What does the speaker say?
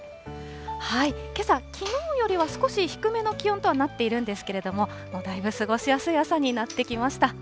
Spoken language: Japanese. けさ、きのうよりは少し低めの気温とはなっているんですけれども、だいぶ過ごしやすい朝になってきました。